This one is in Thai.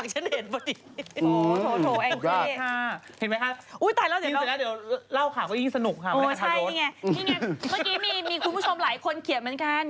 งี้ไงเมื่อกี้มีคุณผู้ชมหลายคนเขียนเหมือนกัน